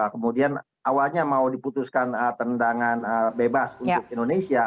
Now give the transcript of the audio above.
kemudian awalnya mau diputuskan tendangan bebas untuk indonesia